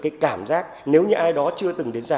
cái cảm giác nếu như ai đó chưa từng đến ra